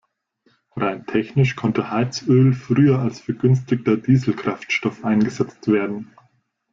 Rein technisch konnte Heizöl früher als vergünstigter Dieselkraftstoff eingesetzt werden.